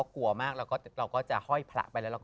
พี่ยังไม่ได้เลิกแต่พี่ยังไม่ได้เลิก